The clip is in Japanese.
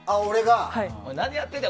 何やってんだよ！